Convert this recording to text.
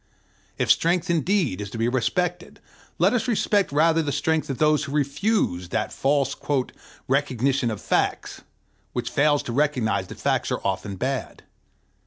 If strength indeed is to be respected, let us respect rather the strength of those who refuse that false "recognition of facts" which fails to recognize that facts are often bad.